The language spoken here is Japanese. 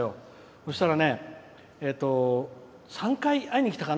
そしたらね３回、会いに来たかな。